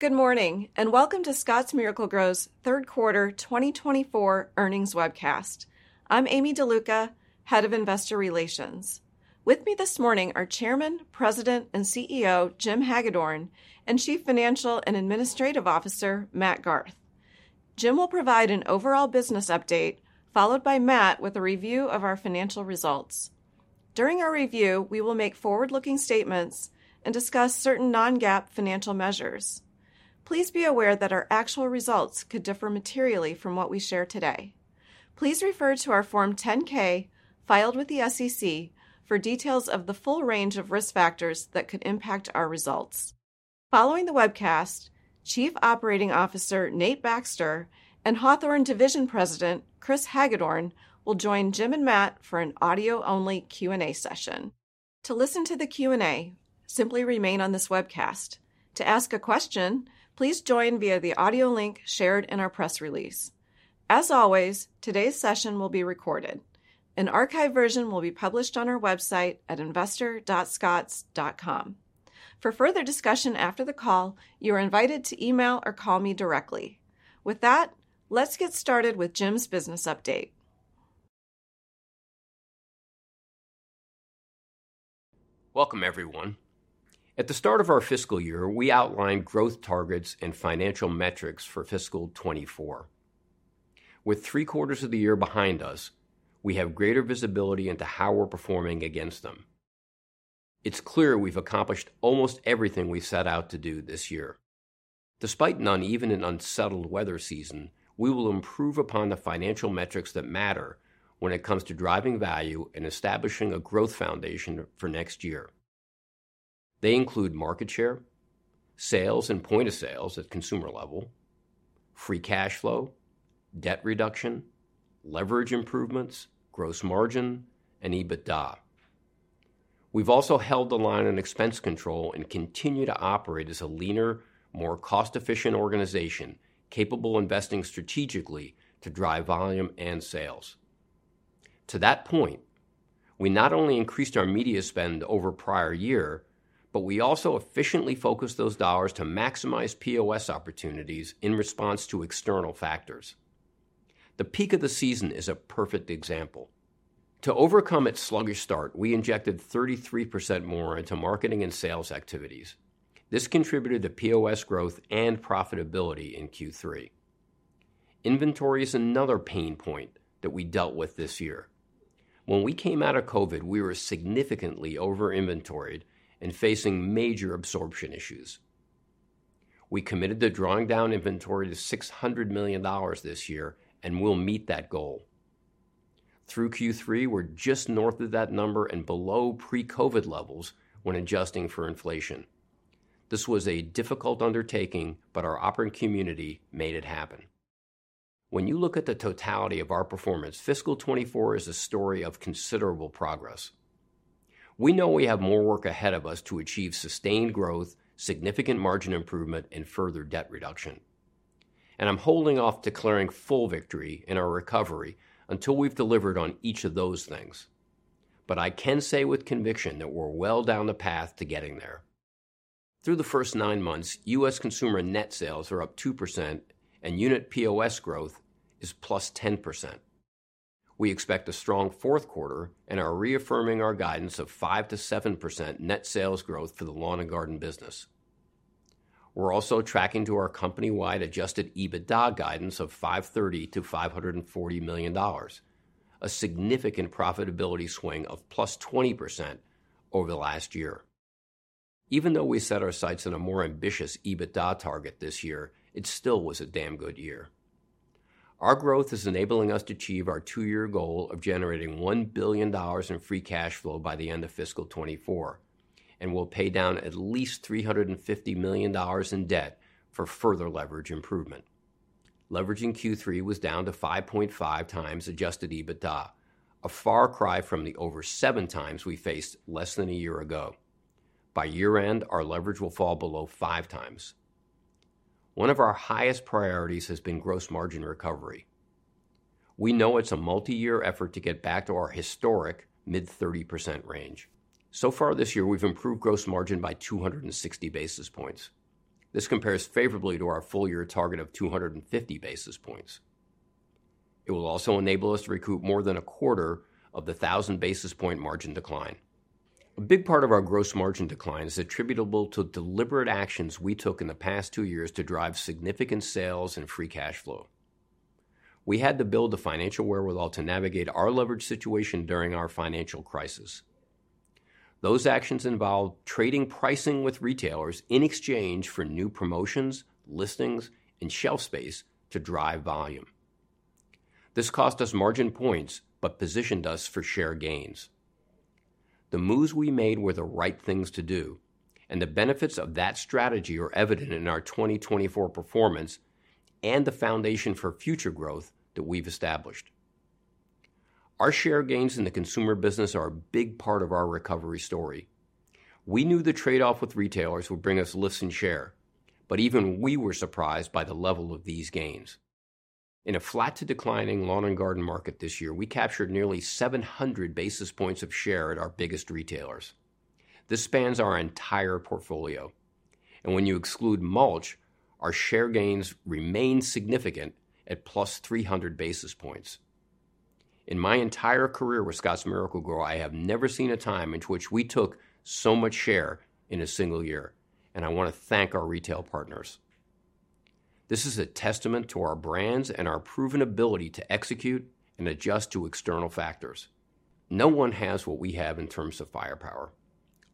Good morning and welcome to Scotts Miracle-Gro's third quarter 2024 earnings webcast. I'm Aimee DeLuca, Head of Investor Relations. With me this morning are Chairman, President, and CEO Jim Hagedorn and Chief Financial and Administrative Officer Matt Garth. Jim will provide an overall business update, followed by Matt with a review of our financial results. During our review, we will make forward-looking statements and discuss certain non-GAAP financial measures. Please be aware that our actual results could differ materially from what we share today. Please refer to our Form 10-K filed with the SEC for details of the full range of risk factors that could impact our results. Following the webcast, Chief Operating Officer Nate Baxter and Hawthorne Division President Chris Hagedorn will join Jim and Matt for an audio-only Q&A session. To listen to the Q&A, simply remain on this webcast. To ask a question, please join via the audio link shared in our press release. As always, today's session will be recorded. An archived version will be published on our website at investor.scotts.com. For further discussion after the call, you are invited to email or call me directly. With that, let's get started with Jim's business update. Welcome, everyone. At the start of our fiscal year, we outlined growth targets and financial metrics for fiscal 2024. With three quarters of the year behind us, we have greater visibility into how we're performing against them. It's clear we've accomplished almost everything we set out to do this year. Despite an uneven and unsettled weather season, we will improve upon the financial metrics that matter when it comes to driving value and establishing a growth foundation for next year. They include market share, sales and point of sales at consumer level, free cash flow, debt reduction, leverage improvements, gross margin, and EBITDA. We've also held the line on expense control and continue to operate as a leaner, more cost-efficient organization capable of investing strategically to drive volume and sales. To that point, we not only increased our media spend over the prior year, but we also efficiently focused those dollars to maximize POS opportunities in response to external factors. The peak of the season is a perfect example. To overcome its sluggish start, we injected 33% more into marketing and sales activities. This contributed to POS growth and profitability in Q3. Inventory is another pain point that we dealt with this year. When we came out of COVID, we were significantly over-inventoried and facing major absorption issues. We committed to drawing down inventory to $600 million this year and will meet that goal. Through Q3, we're just north of that number and below pre-COVID levels when adjusting for inflation. This was a difficult undertaking, but our operating community made it happen. When you look at the totality of our performance, fiscal 2024 is a story of considerable progress. We know we have more work ahead of us to achieve sustained growth, significant margin improvement, and further debt reduction. I'm holding off declaring full victory in our recovery until we've delivered on each of those things. But I can say with conviction that we're well down the path to getting there. Through the first nine months, U.S. consumer net sales are up 2% and unit POS growth is +10%. We expect a strong fourth quarter and are reaffirming our guidance of 5%-7% net sales growth for the lawn and garden business. We're also tracking to our company-wide adjusted EBITDA guidance of $530 million-$540 million, a significant profitability swing of +20% over the last year. Even though we set our sights on a more ambitious EBITDA target this year, it still was a damn good year. Our growth is enabling us to achieve our two-year goal of generating $1 billion in free cash flow by the end of fiscal 2024, and we'll pay down at least $350 million in debt for further leverage improvement. Leveraging Q3 was down to 5.5 times adjusted EBITDA, a far cry from the over seven times we faced less than a year ago. By year-end, our leverage will fall below five times. One of our highest priorities has been gross margin recovery. We know it's a multi-year effort to get back to our historic mid-30% range. So far this year, we've improved gross margin by 260 basis points. This compares favorably to our full-year target of 250 basis points. It will also enable us to recoup more than a quarter of the 1,000 basis point margin decline. A big part of our gross margin decline is attributable to deliberate actions we took in the past two years to drive significant sales and free cash flow. We had to build a financial wherewithal to navigate our leverage situation during our financial crisis. Those actions involved trading pricing with retailers in exchange for new promotions, listings, and shelf space to drive volume. This cost us margin points but positioned us for share gains. The moves we made were the right things to do, and the benefits of that strategy are evident in our 2024 performance and the foundation for future growth that we've established. Our share gains in the consumer business are a big part of our recovery story. We knew the trade-off with retailers would bring us listing share, but even we were surprised by the level of these gains. In a flat to declining lawn and garden market this year, we captured nearly 700 basis points of share at our biggest retailers. This spans our entire portfolio. When you exclude mulch, our share gains remain significant at +300 basis points. In my entire career with Scotts Miracle-Gro, I have never seen a time in which we took so much share in a single year, and I want to thank our retail partners. This is a testament to our brands and our proven ability to execute and adjust to external factors. No one has what we have in terms of firepower.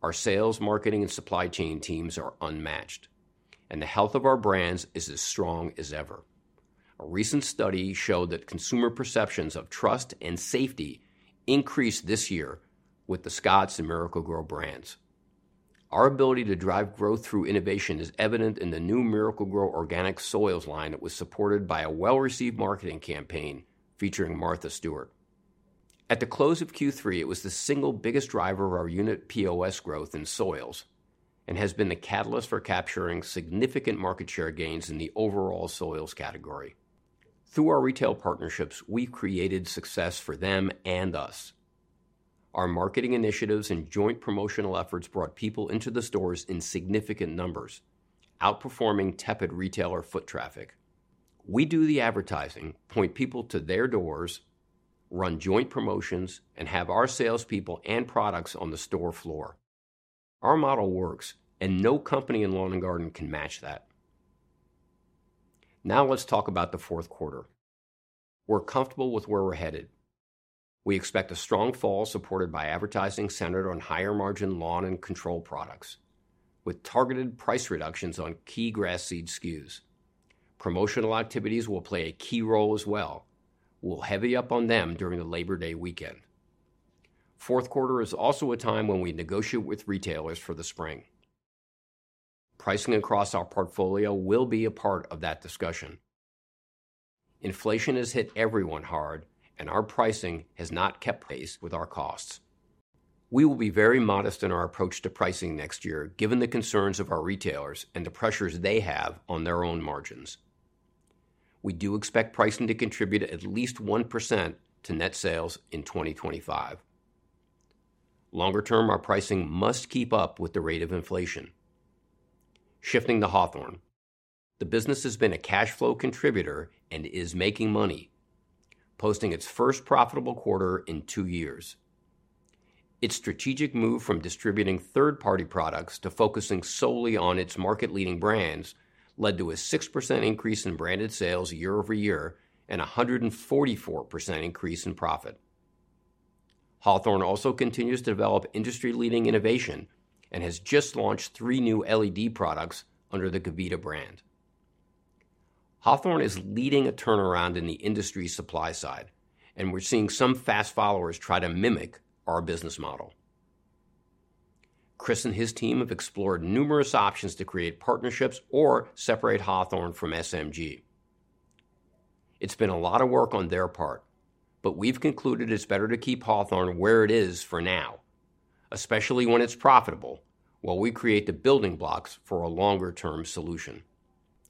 Our sales, marketing, and supply chain teams are unmatched, and the health of our brands is as strong as ever. A recent study showed that consumer perceptions of trust and safety increased this year with the Scotts and Miracle-Gro brands. Our ability to drive growth through innovation is evident in the new Miracle-Gro organic soils line that was supported by a well-received marketing campaign featuring Martha Stewart. At the close of Q3, it was the single biggest driver of our unit POS growth in soils and has been the catalyst for capturing significant market share gains in the overall soils category. Through our retail partnerships, we've created success for them and us. Our marketing initiatives and joint promotional efforts brought people into the stores in significant numbers, outperforming tepid retailer foot traffic. We do the advertising, point people to their doors, run joint promotions, and have our salespeople and products on the store floor. Our model works, and no company in lawn and garden can match that. Now let's talk about the fourth quarter. We're comfortable with where we're headed. We expect a strong fall supported by advertising centered on higher margin lawn and control products, with targeted price reductions on key grass seed SKUs. Promotional activities will play a key role as well. We'll heavy up on them during the Labor Day weekend. Fourth quarter is also a time when we negotiate with retailers for the spring. Pricing across our portfolio will be a part of that discussion. Inflation has hit everyone hard, and our pricing has not kept pace with our costs. We will be very modest in our approach to pricing next year, given the concerns of our retailers and the pressures they have on their own margins. We do expect pricing to contribute at least 1% to net sales in 2025. Longer term, our pricing must keep up with the rate of inflation. Shifting to Hawthorne, the business has been a cash flow contributor and is making money, posting its first profitable quarter in two years. Its strategic move from distributing third-party products to focusing solely on its market-leading brands led to a 6% increase in branded sales year-over-year and a 144% increase in profit. Hawthorne also continues to develop industry-leading innovation and has just launched 3 new LED products under the Gavita brand. Hawthorne is leading a turnaround in the industry supply side, and we're seeing some fast followers try to mimic our business model. Chris and his team have explored numerous options to create partnerships or separate Hawthorne from SMG. It's been a lot of work on their part, but we've concluded it's better to keep Hawthorne where it is for now, especially when it's profitable while we create the building blocks for a longer-term solution.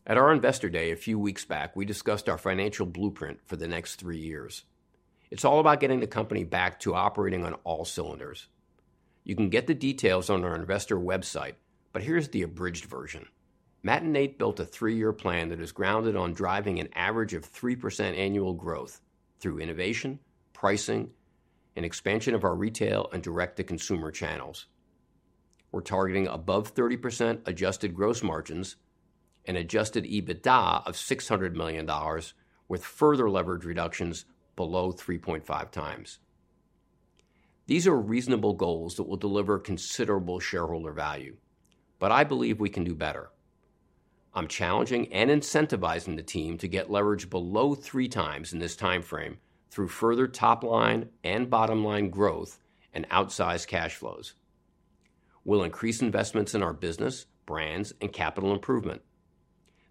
At our investor day a few weeks back, we discussed our financial blueprint for the next 3 years. It's all about getting the company back to operating on all cylinders. You can get the details on our investor website, but here's the abridged version. Matt and Nate built a 3-year plan that is grounded on driving an average of 3% annual growth through innovation, pricing, and expansion of our retail and direct-to-consumer channels. We're targeting above 30% adjusted gross margins and adjusted EBITDA of $600 million with further leverage reductions below 3.5 times. These are reasonable goals that will deliver considerable shareholder value, but I believe we can do better. I'm challenging and incentivizing the team to get leverage below 3 times in this timeframe through further top-line and bottom-line growth and outsized cash flows. We'll increase investments in our business, brands, and capital improvement.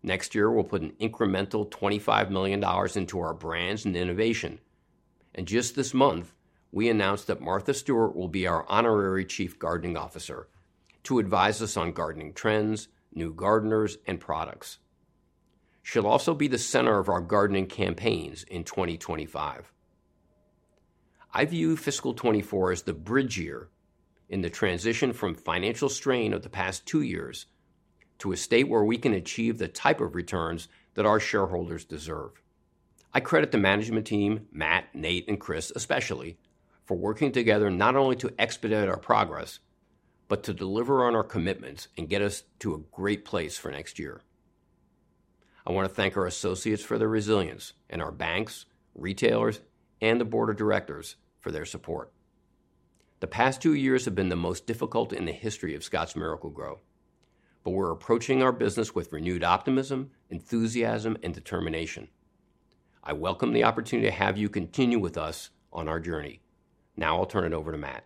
Next year, we'll put an incremental $25 million into our brands and innovation. Just this month, we announced that Martha Stewart will be our honorary Chief Gardening Officer to advise us on gardening trends, new gardeners, and products. She'll also be the center of our gardening campaigns in 2025. I view fiscal 2024 as the bridge year in the transition from financial strain of the past two years to a state where we can achieve the type of returns that our shareholders deserve. I credit the management team, Matt, Nate, and Chris especially, for working together not only to expedite our progress, but to deliver on our commitments and get us to a great place for next year. I want to thank our associates for their resilience and our banks, retailers, and the board of directors for their support. The past two years have been the most difficult in the history of Scotts Miracle-Gro, but we're approaching our business with renewed optimism, enthusiasm, and determination. I welcome the opportunity to have you continue with us on our journey. Now I'll turn it over to Matt.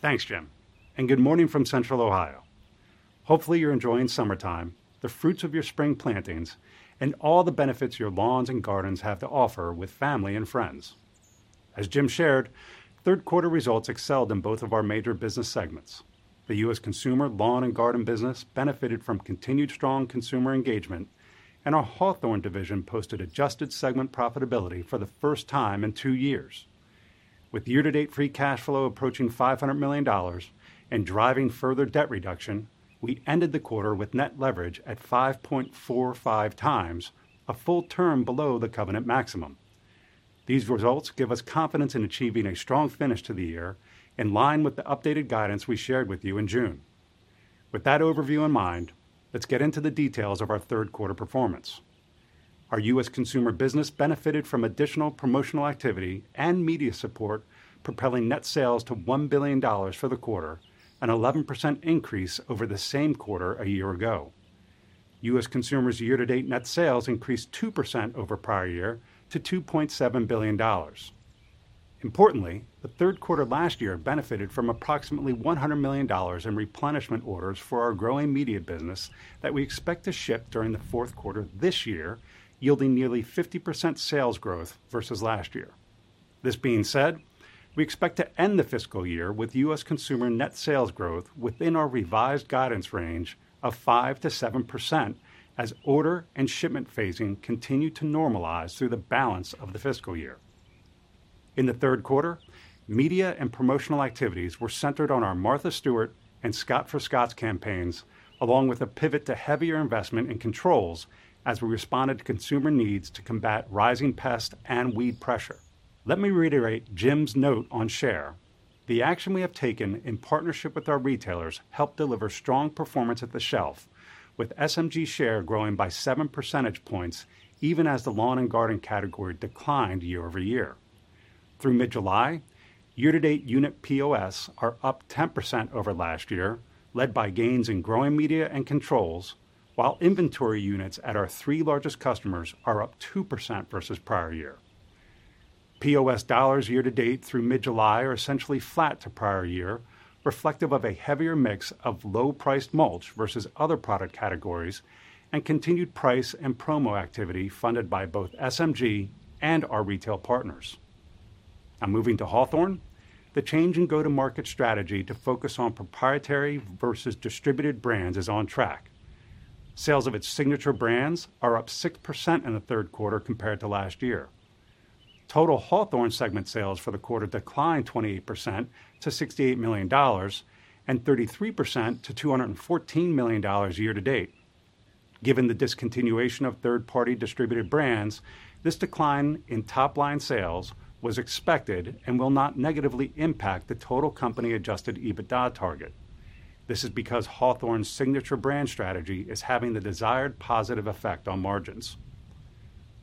Thanks, Jim. Good morning from Central Ohio. Hopefully, you're enjoying summertime, the fruits of your spring plantings, and all the benefits your lawns and gardens have to offer with family and friends. As Jim shared, third-quarter results excelled in both of our major business segments. The U.S. consumer lawn and garden business benefited from continued strong consumer engagement, and our Hawthorne division posted adjusted segment profitability for the first time in two years. With year-to-date free cash flow approaching $500 million and driving further debt reduction, we ended the quarter with net leverage at 5.45 times, a full term below the covenant maximum. These results give us confidence in achieving a strong finish to the year in line with the updated guidance we shared with you in June. With that overview in mind, let's get into the details of our third-quarter performance. Our U.S. consumer business benefited from additional promotional activity and media support, propelling net sales to $1 billion for the quarter, an 11% increase over the same quarter a year ago. U.S. consumers' year-to-date net sales increased 2% over prior year to $2.7 billion. Importantly, the third quarter last year benefited from approximately $100 million in replenishment orders for our growing media business that we expect to ship during the fourth quarter this year, yielding nearly 50% sales growth versus last year. This being said, we expect to end the fiscal year with U.S. Consumer net sales growth within our revised guidance range of 5%-7% as order and shipment phasing continue to normalize through the balance of the fiscal year. In the third quarter, media and promotional activities were centered on our Martha Stewart and Scott for Scotts campaigns, along with a pivot to heavier investment in controls as we responded to consumer needs to combat rising pest and weed pressure. Let me reiterate Jim's note on share. The action we have taken in partnership with our retailers helped deliver strong performance at the shelf, with SMG share growing by 7 percentage points even as the lawn and garden category declined year-over-year. Through mid-July, year-to-date unit POS are up 10% over last year, led by gains in growing media and controls, while inventory units at our three largest customers are up 2% versus prior year. POS dollars year-to-date through mid-July are essentially flat to prior year, reflective of a heavier mix of low-priced mulch versus other product categories and continued price and promo activity funded by both SMG and our retail partners. Now moving to Hawthorne, the change in go-to-market strategy to focus on proprietary versus distributed brands is on track. Sales of its signature brands are up 6% in the third quarter compared to last year. Total Hawthorne segment sales for the quarter declined 28% to $68 million and 33% to $214 million year-to-date. Given the discontinuation of third-party distributed brands, this decline in top-line sales was expected and will not negatively impact the total company-adjusted EBITDA target. This is because Hawthorne's signature brand strategy is having the desired positive effect on margins.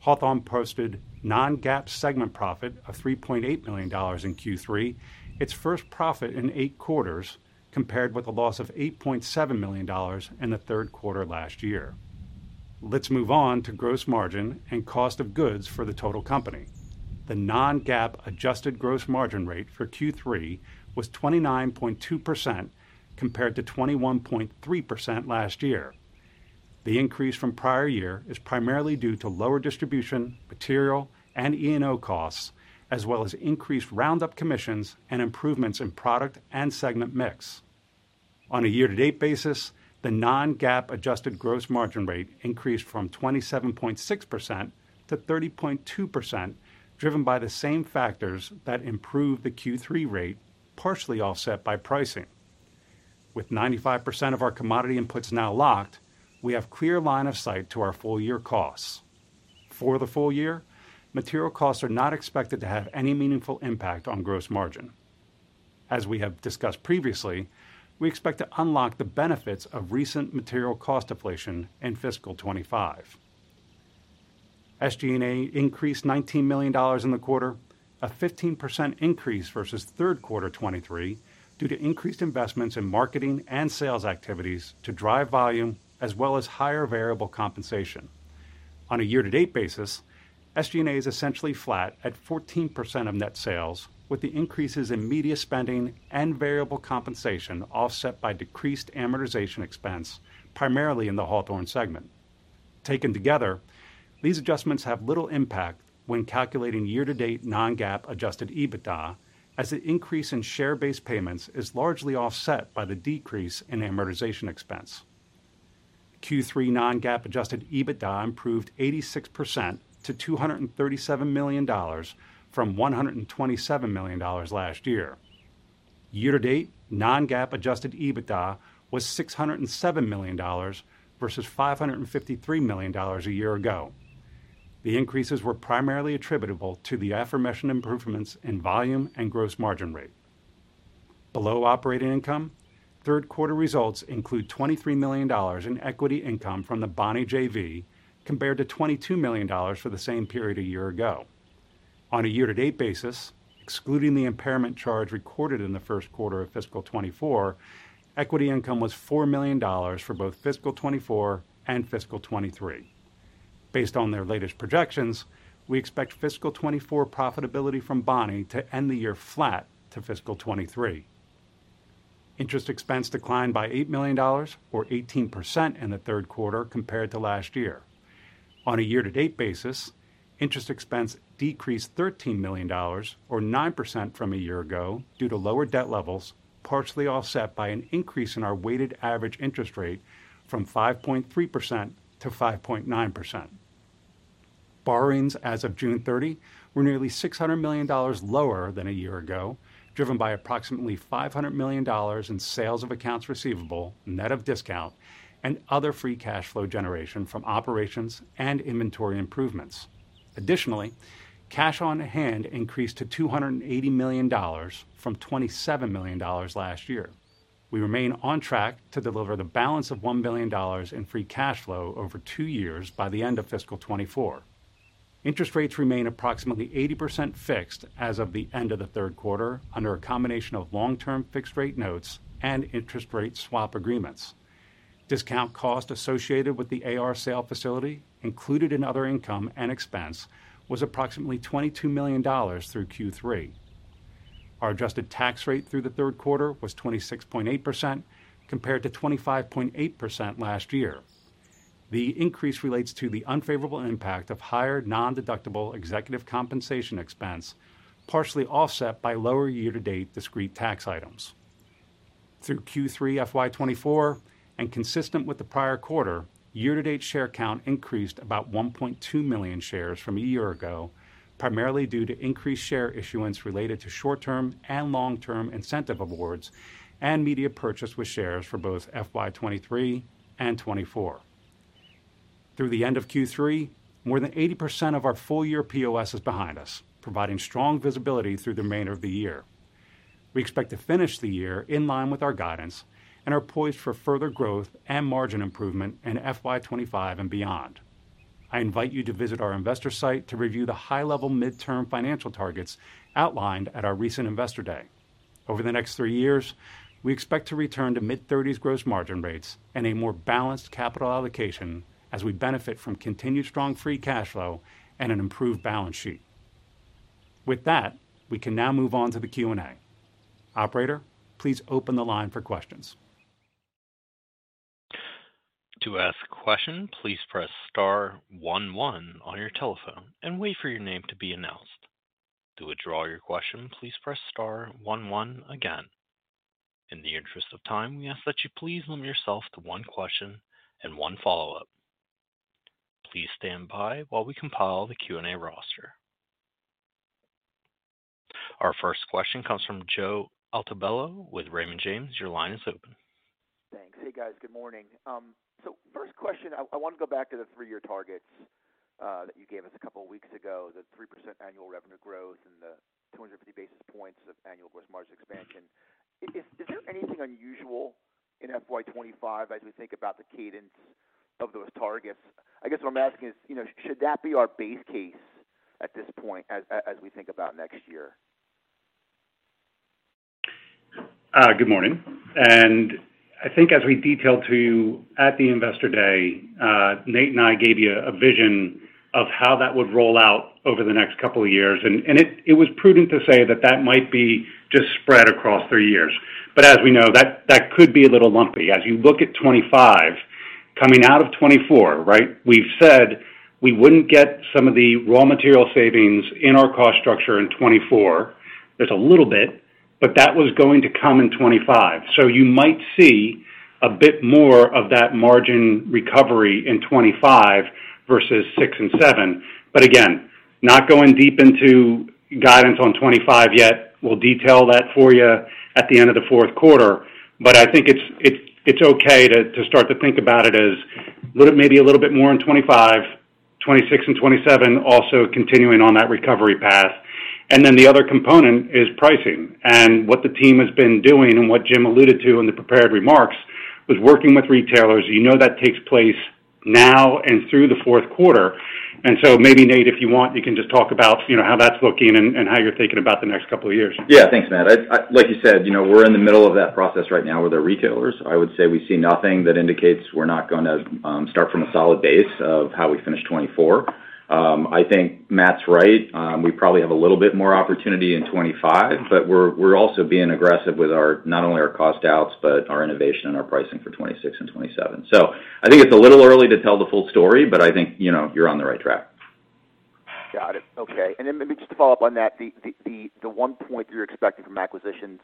Hawthorne posted non-GAAP segment profit of $3.8 million in Q3, its first profit in eight quarters compared with a loss of $8.7 million in the third quarter last year. Let's move on to gross margin and cost of goods for the total company. The non-GAAP adjusted gross margin rate for Q3 was 29.2% compared to 21.3% last year. The increase from prior year is primarily due to lower distribution, material, and E&O costs, as well as increased Roundup commissions and improvements in product and segment mix. On a year-to-date basis, the non-GAAP adjusted gross margin rate increased from 27.6% to 30.2%, driven by the same factors that improved the Q3 rate, partially offset by pricing. With 95% of our commodity inputs now locked, we have clear line of sight to our full-year costs. For the full year, material costs are not expected to have any meaningful impact on gross margin. As we have discussed previously, we expect to unlock the benefits of recent material cost deflation in fiscal 2025. SG&A increased $19 million in the quarter, a 15% increase versus third quarter 2023 due to increased investments in marketing and sales activities to drive volume as well as higher variable compensation. On a year-to-date basis, SG&A is essentially flat at 14% of net sales, with the increases in media spending and variable compensation offset by decreased amortization expense, primarily in the Hawthorne segment. Taken together, these adjustments have little impact when calculating year-to-date non-GAAP adjusted EBITDA, as the increase in share-based payments is largely offset by the decrease in amortization expense. Q3 non-GAAP adjusted EBITDA improved 86% to $237 million from $127 million last year. Year-to-date non-GAAP adjusted EBITDA was $607 million versus $553 million a year ago. The increases were primarily attributable to the aforementioned improvements in volume and gross margin rate. Below operating income, third quarter results include $23 million in equity income from the Bonnie J.V. compared to $22 million for the same period a year ago. On a year-to-date basis, excluding the impairment charge recorded in the first quarter of fiscal 2024, equity income was $4 million for both fiscal 2024 and fiscal 2023. Based on their latest projections, we expect fiscal 2024 profitability from Bonnie to end the year flat to fiscal 2023. Interest expense declined by $8 million, or 18% in the third quarter compared to last year. On a year-to-date basis, interest expense decreased $13 million, or 9% from a year ago due to lower debt levels, partially offset by an increase in our weighted average interest rate from 5.3%-5.9%. Borrowings as of June 30 were nearly $600 million lower than a year ago, driven by approximately $500 million in sales of accounts receivable, net of discount, and other free cash flow generation from operations and inventory improvements. Additionally, cash on hand increased to $280 million from $27 million last year. We remain on track to deliver the balance of $1 billion in free cash flow over two years by the end of fiscal 2024. Interest rates remain approximately 80% fixed as of the end of the third quarter under a combination of long-term fixed-rate notes and interest rate swap agreements. Discount cost associated with the AR sale facility, included in other income and expense, was approximately $22 million through Q3. Our adjusted tax rate through the third quarter was 26.8% compared to 25.8% last year. The increase relates to the unfavorable impact of higher non-deductible executive compensation expense, partially offset by lower year-to-date discrete tax items. Through Q3 FY24, and consistent with the prior quarter, year-to-date share count increased about 1.2 million shares from a year ago, primarily due to increased share issuance related to short-term and long-term incentive awards and media purchase with shares for both FY23 and 2024. Through the end of Q3, more than 80% of our full-year POS is behind us, providing strong visibility through the remainder of the year. We expect to finish the year in line with our guidance and are poised for further growth and margin improvement in FY25 and beyond. I invite you to visit our investor site to review the high-level midterm financial targets outlined at our recent investor day. Over the next three years, we expect to return to mid-30s gross margin rates and a more balanced capital allocation as we benefit from continued strong free cash flow and an improved balance sheet. With that, we can now move on to the Q&A. Operator, please open the line for questions. To ask a question, please press star one one on your telephone and wait for your name to be announced. To withdraw your question, please press star one one again. In the interest of time, we ask that you please limit yourself to one question and one follow-up. Please stand by while we compile the Q&A roster. Our first question comes from Joe Altobello with Raymond James. Your line is open. Thanks. Hey, guys. Good morning. So first question, I want to go back to the 3-year targets that you gave us a couple of weeks ago, the 3% annual revenue growth and the 250 basis points of annual gross margin expansion. Is there anything unusual in FY25 as we think about the cadence of those targets? I guess what I'm asking is, should that be our base case at this point as we think about next year? Good morning. And I think as we detailed to you at the investor day, Nate and I gave you a vision of how that would roll out over the next couple of years. And it was prudent to say that that might be just spread across three years. But as we know, that could be a little lumpy as you look at 2025 coming out of 2024, right? We've said we wouldn't get some of the raw material savings in our cost structure in 2024. There's a little bit, but that was going to come in 2025. So you might see a bit more of that margin recovery in 2025 versus 2006 and 2007. But again, not going deep into guidance on 2025 yet. We'll detail that for you at the end of the fourth quarter. But I think it's okay to start to think about it as maybe a little bit more in 2025, 2026, and 2027, also continuing on that recovery path. And then the other component is pricing. And what the team has been doing and what Jim alluded to in the prepared remarks was working with retailers. You know that takes place now and through the fourth quarter. Maybe, Nate, if you want, you can just talk about how that's looking and how you're thinking about the next couple of years. Yeah. Thanks, Matt. Like you said, we're in the middle of that process right now with our retailers. I would say we see nothing that indicates we're not going to start from a solid base of how we finish 2024. I think Matt's right. We probably have a little bit more opportunity in 2025, but we're also being aggressive with not only our cost outs, but our innovation and our pricing for 2026 and 2027. So I think it's a little early to tell the full story, but I think you're on the right track. Got it. Okay. And then maybe just to follow up on that, the one point you're expecting from acquisitions,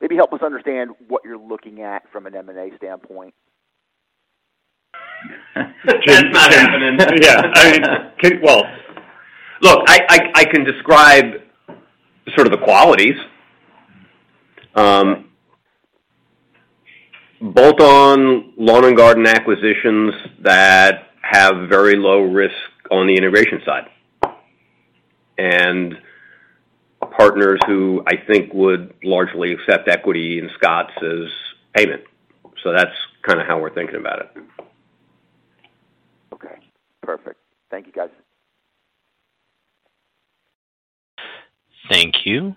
maybe help us understand what you're looking at from an M&A standpoint. That's not happening. Yeah. I mean, well, look, I can describe sort of the qualities both on lawn and garden acquisitions that have very low risk on the integration side and partners who I think would largely accept equity in Scotts as payment. So that's kind of how we're thinking about it. Okay. Perfect. Thank you, guys. Thank you.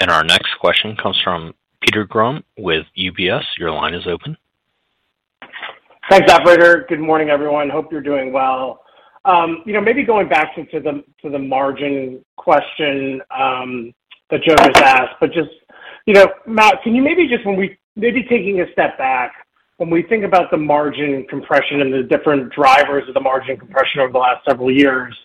And our next question comes from Peter Grom with UBS. Your line is open. Thanks, Operator. Good morning, everyone. Hope you're doing well. Maybe going back to the margin question that Joe just asked, but just, Matt, can you maybe just, when we maybe taking a step back, when we think about the margin compression and the different drivers of the margin compression over the last several years,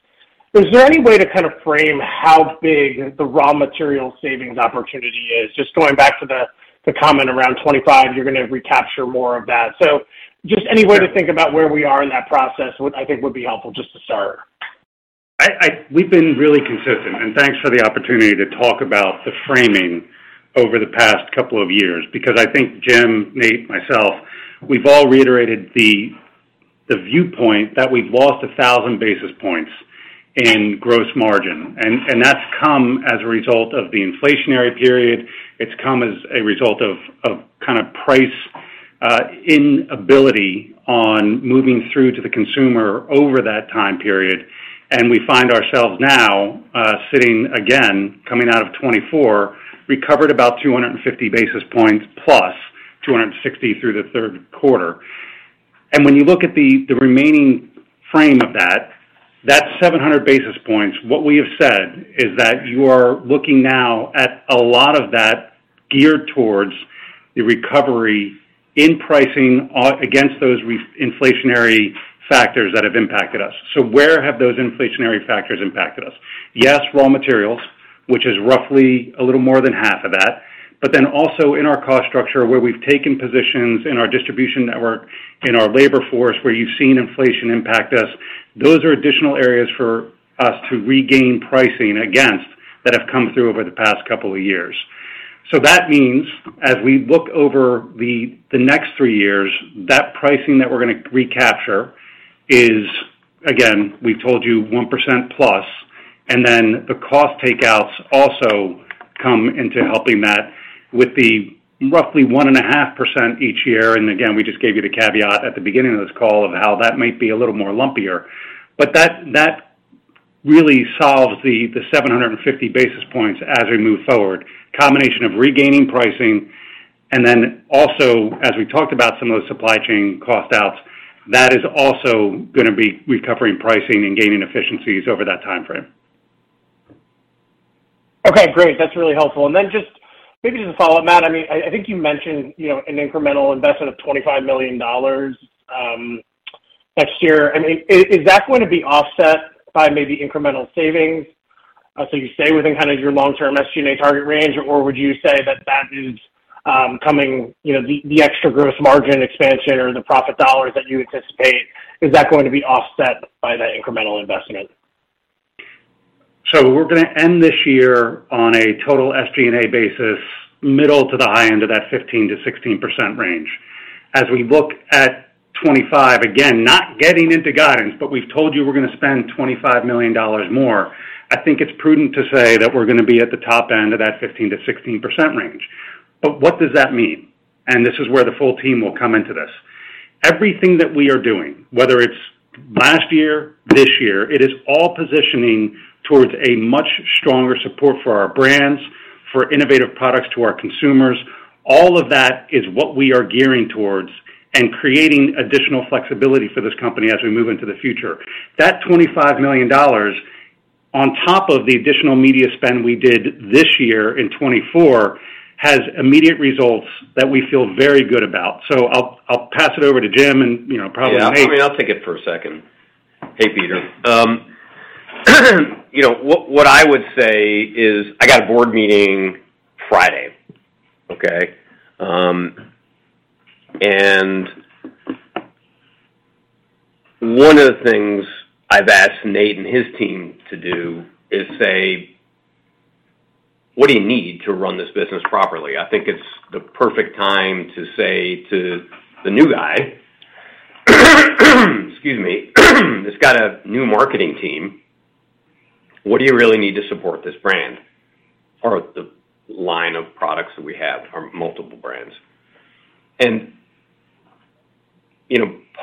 is there any way to kind of frame how big the raw material savings opportunity is? Just going back to the comment around 2025, you're going to recapture more of that. So just any way to think about where we are in that process, I think would be helpful just to start. We've been really consistent. Thanks for the opportunity to talk about the framing over the past couple of years because I think Jim, Nate, myself, we've all reiterated the viewpoint that we've lost 1,000 basis points in gross margin. That's come as a result of the inflationary period. It's come as a result of kind of price inability on moving through to the consumer over that time period. And we find ourselves now sitting, again, coming out of 2024, recovered about 250 basis points plus 260 through the third quarter. And when you look at the remaining frame of that, that's 700 basis points. What we have said is that you are looking now at a lot of that geared towards the recovery in pricing against those inflationary factors that have impacted us. So where have those inflationary factors impacted us? Yes, raw materials, which is roughly a little more than half of that. But then also in our cost structure where we've taken positions in our distribution network, in our labor force where you've seen inflation impact us, those are additional areas for us to regain pricing against that have come through over the past couple of years. So that means as we look over the next three years, that pricing that we're going to recapture is, again, we've told you 1% plus. And then the cost takeouts also come into helping that with the roughly 1.5% each year. And again, we just gave you the caveat at the beginning of this call of how that might be a little more lumpier. But that really solves the 750 basis points as we move forward, a combination of regaining pricing. And then also, as we talked about some of those supply chain cost outs, that is also going to be recovering pricing and gaining efficiencies over that time frame. Okay. Great. That's really helpful. And then just maybe just a follow-up, Matt. I mean, I think you mentioned an incremental investment of $25 million next year. I mean, is that going to be offset by maybe incremental savings? So you stay within kind of your long-term SG&A target range, or would you say that that is coming, the extra gross margin expansion or the profit dollars that you anticipate, is that going to be offset by that incremental investment? So we're going to end this year on a total SG&A basis, middle to the high end of that 15%-16% range. As we look at 2025, again, not getting into guidance, but we've told you we're going to spend $25 million more, I think it's prudent to say that we're going to be at the top end of that 15%-16% range. But what does that mean? And this is where the full team will come into this. Everything that we are doing, whether it's last year, this year, it is all positioning towards a much stronger support for our brands, for innovative products to our consumers. All of that is what we are gearing towards and creating additional flexibility for this company as we move into the future. That $25 million on top of the additional media spend we did this year in 2024 has immediate results that we feel very good about. So I'll pass it over to Jim and probably Nate. Yeah. I mean, I'll take it for a second. Hey, Peter. What I would say is I got a board meeting Friday, okay? And one of the things I've asked Nate and his team to do is say, "What do you need to run this business properly?" I think it's the perfect time to say to the new guy, excuse me, this guy's got a new marketing team, "What do you really need to support this brand or the line of products that we have or multiple brands?" And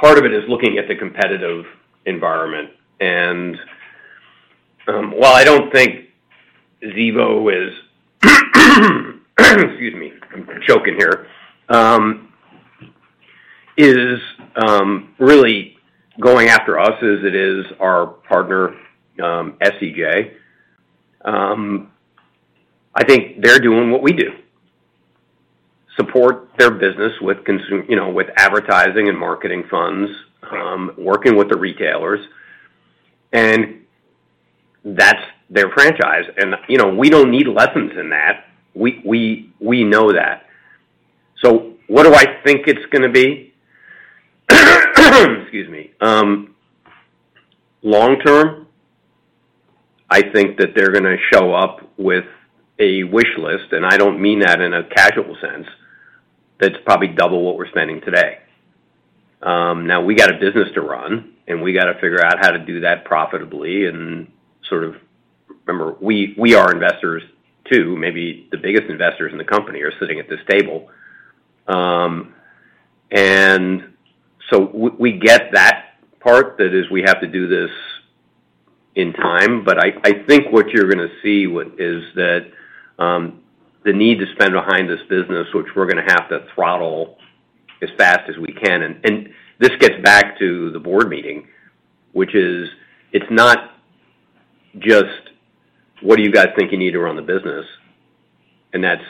part of it is looking at the competitive environment. And while I don't think Zevo is, excuse me, I'm choking here, is really going after us as it is our partner, S.C. Johnson. I think they're doing what we do: support their business with advertising and marketing funds, working with the retailers. And that's their franchise. And we don't need lessons in that. We know that. So what do I think it's going to be? Excuse me. Long term, I think that they're going to show up with a wish list, and I don't mean that in a casual sense. That's probably double what we're spending today. Now, we got a business to run, and we got to figure out how to do that profitably. And sort of remember, we are investors too. Maybe the biggest investors in the company are sitting at this table. And so we get that part that is we have to do this in time. But I think what you're going to see is that the need to spend behind this business, which we're going to have to throttle as fast as we can. And this gets back to the board meeting, which is it's not just, "What do you guys think you need to run the business?" And that's,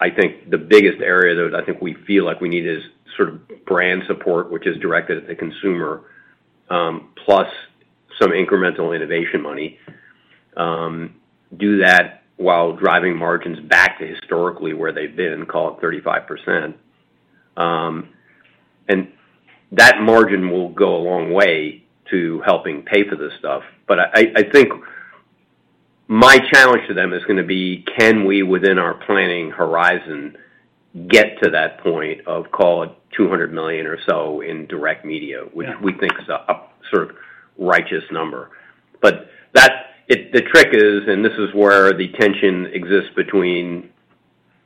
I think, the biggest area that I think we feel like we need is sort of brand support, which is directed at the consumer, plus some incremental innovation money. Do that while driving margins back to historically where they've been, call it 35%. And that margin will go a long way to helping pay for this stuff. But I think my challenge to them is going to be, can we, within our planning horizon, get to that point of, call it, $200 million or so in direct media, which we think is a sort of righteous number? But the trick is, and this is where the tension exists between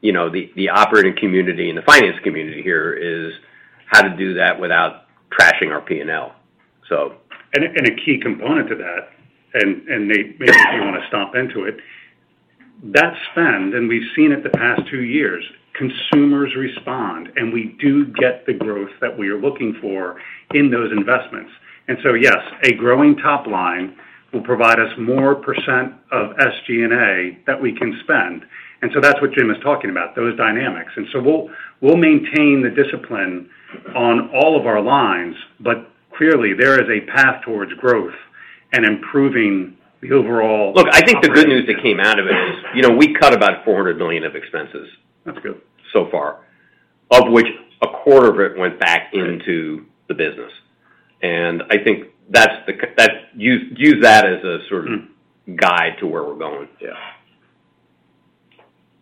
the operating community and the finance community here, is how to do that without trashing our P&L, so. A key component to that, and Nate, maybe if you want to stop into it, that spend, and we've seen it the past two years, consumers respond, and we do get the growth that we are looking for in those investments. So, yes, a growing top line will provide us more percent of SG&A that we can spend. So that's what Jim is talking about, those dynamics. So we'll maintain the discipline on all of our lines, but clearly, there is a path towards growth and improving the overall. Look, I think the good news that came out of it is we cut about $400 million of expenses. That's good. So far, of which a quarter of it went back into the business. And I think use that as a sort of guide to where we're going. Yeah.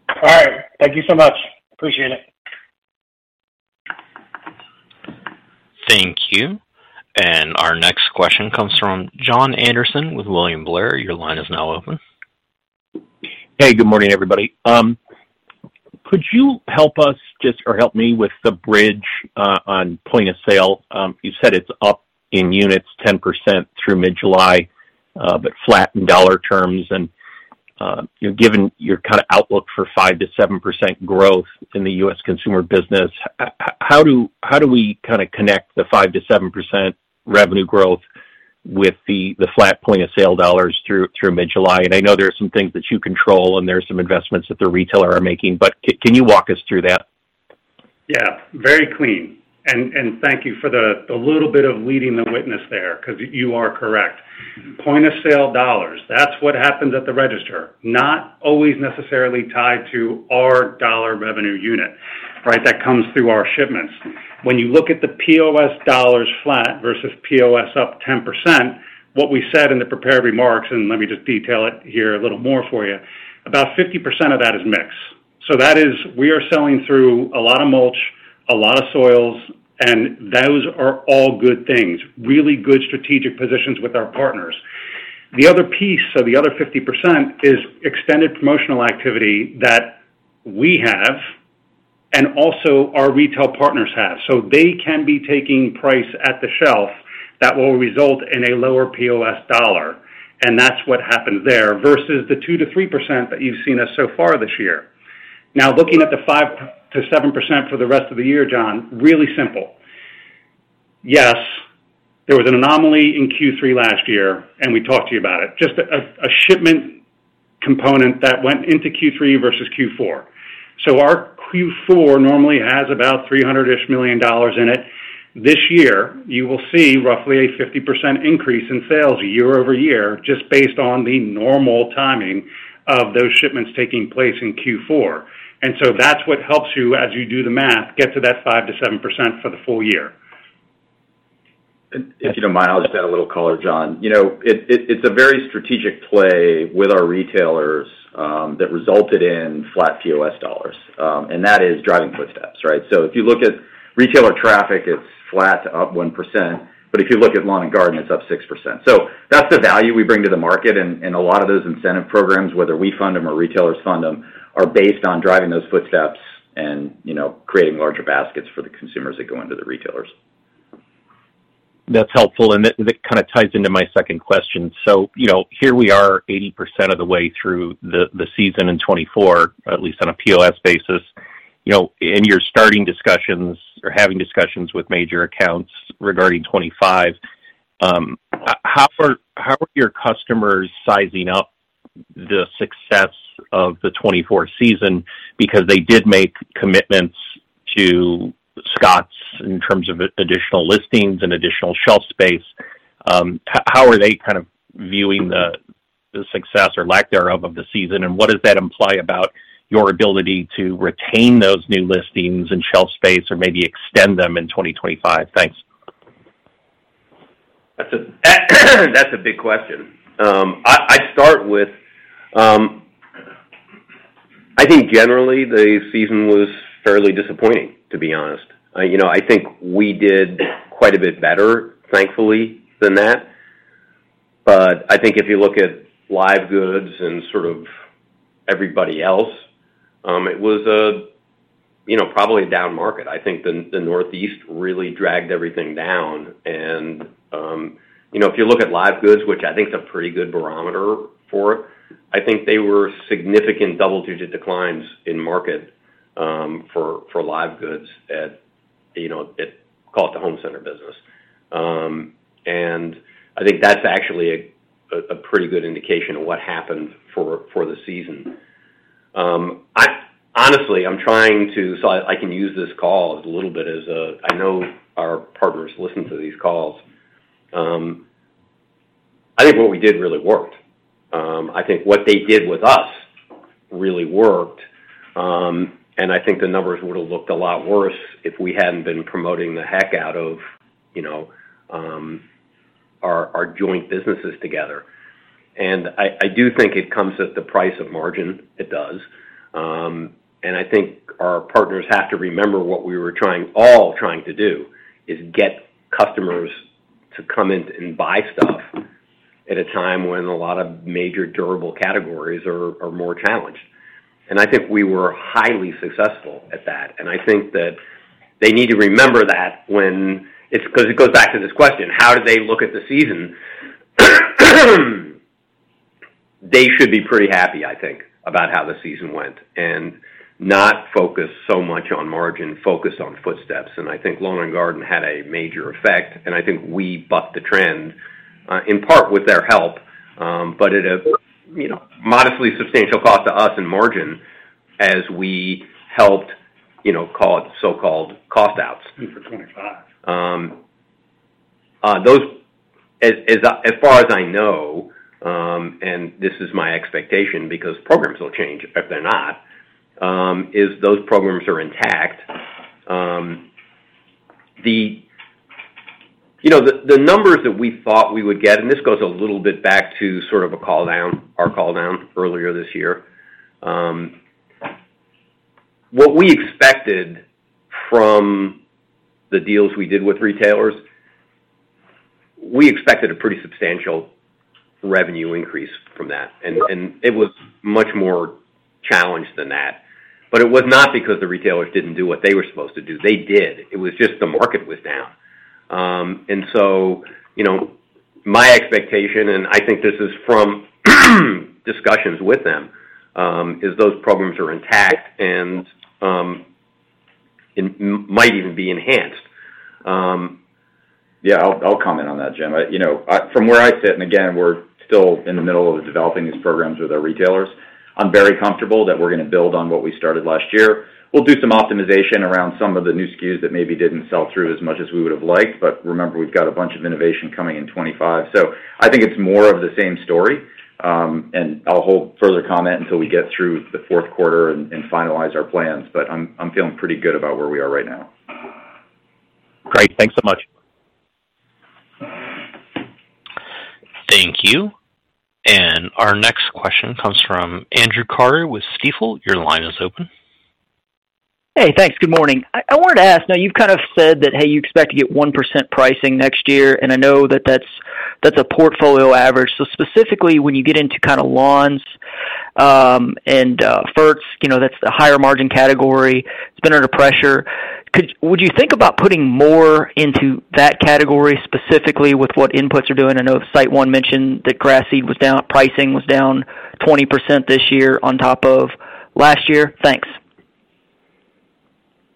All right. Thank you so much. Appreciate it. Thank you. And our next question comes from Jon Andersen with William Blair. Your line is now open. Hey, good morning, everybody. Could you help us just or help me with the bridge on point of sale? You said it's up in units 10% through mid-July, but flat in dollar terms. And given your kind of outlook for 5%-7% growth in the U.S. consumer business, how do we kind of connect the 5%-7% revenue growth with the flat point of sale dollars through mid-July? I know there are some things that you control and there are some investments that the retailer are making, but can you walk us through that? Yeah. Very clean. Thank you for the little bit of leading the witness there because you are correct. Point of sale dollars, that's what happens at the register, not always necessarily tied to our dollar revenue unit, right? That comes through our shipments. When you look at the POS dollars flat versus POS up 10%, what we said in the prepared remarks, and let me just detail it here a little more for you, about 50% of that is mix. So that is we are selling through a lot of mulch, a lot of soils, and those are all good things, really good strategic positions with our partners. The other piece, so the other 50%, is extended promotional activity that we have and also our retail partners have. So they can be taking price at the shelf that will result in a lower POS dollar. And that's what happens there versus the 2%-3% that you've seen us so far this year. Now, looking at the 5%-7% for the rest of the year, John, really simple. Yes, there was an anomaly in Q3 last year, and we talked to you about it, just a shipment component that went into Q3 versus Q4. So our Q4 normally has about $300-ish million in it. This year, you will see roughly a 50% increase in sales year-over-year just based on the normal timing of those shipments taking place in Q4. And so that's what helps you, as you do the math, get to that 5%-7% for the full year. If you don't mind, I'll just add a little color, Jon. It's a very strategic play with our retailers that resulted in flat POS dollars. And that is driving footsteps, right? So if you look at retailer traffic, it's flat to up 1%. But if you look at lawn and garden, it's up 6%. So that's the value we bring to the market. And a lot of those incentive programs, whether we fund them or retailers fund them, are based on driving those footsteps and creating larger baskets for the consumers that go into the retailers. That's helpful. And that kind of ties into my second question. So here we are 80% of the way through the season in 2024, at least on a POS basis. In your starting discussions or having discussions with major accounts regarding 2025, how are your customers sizing up the success of the 2024 season? Because they did make commitments to Scotts in terms of additional listings and additional shelf space. How are they kind of viewing the success or lack thereof of the season? And what does that imply about your ability to retain those new listings and shelf space or maybe extend them in 2025? Thanks. That's a big question. I'd start with, I think, generally, the season was fairly disappointing, to be honest. I think we did quite a bit better, thankfully, than that. But I think if you look at live goods and sort of everybody else, it was probably a down market. I think the Northeast really dragged everything down. And if you look at live goods, which I think is a pretty good barometer for it, I think they were significant double-digit declines in market for live goods at, call it, the home center business. And I think that's actually a pretty good indication of what happened for the season. Honestly, I'm trying to, so I can use this call a little bit as a I know our partners listen to these calls. I think what we did really worked. I think what they did with us really worked. And I think the numbers would have looked a lot worse if we hadn't been promoting the heck out of our joint businesses together. And I do think it comes at the price of margin. It does. And I think our partners have to remember what we were all trying to do is get customers to come in and buy stuff at a time when a lot of major durable categories are more challenged. And I think we were highly successful at that. And I think that they need to remember that when it's because it goes back to this question, how do they look at the season? They should be pretty happy, I think, about how the season went and not focus so much on margin, focus on footsteps. And I think Lawn and Garden had a major effect. And I think we bucked the trend in part with their help, but at a modestly substantial cost to us in margin as we helped, call it, so-called cost-outs. For 2025. As far as I know, and this is my expectation because programs will change if they're not, if those programs are intact, the numbers that we thought we would get, and this goes a little bit back to sort of our call-down earlier this year, what we expected from the deals we did with retailers, we expected a pretty substantial revenue increase from that. It was much more challenged than that. But it was not because the retailers didn't do what they were supposed to do. They did. It was just the market was down. And so my expectation, and I think this is from discussions with them, is those programs are intact and might even be enhanced. Yeah. I'll comment on that, Jim. From where I sit, and again, we're still in the middle of developing these programs with our retailers. I'm very comfortable that we're going to build on what we started last year. We'll do some optimization around some of the new SKUs that maybe didn't sell through as much as we would have liked. But remember, we've got a bunch of innovation coming in 2025. So I think it's more of the same story. And I'll hold further comment until we get through the fourth quarter and finalize our plans. But I'm feeling pretty good about where we are right now. Great. Thanks so much. Thank you. And our next question comes from Andrew Carter with Stifel. Your line is open. Hey, thanks. Good morning. I wanted to ask, now, you've kind of said that, hey, you expect to get 1% pricing next year. And I know that that's a portfolio average. So specifically, when you get into kind of lawns and ferts, that's the higher margin category. It's been under pressure. Would you think about putting more into that category specifically with what inputs are doing? I know SiteOne mentioned that grass seed pricing was down 20% this year on top of last year. Thanks.